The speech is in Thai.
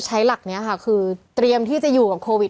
หลักนี้ค่ะคือเตรียมที่จะอยู่กับโควิด